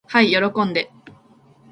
はい喜んで。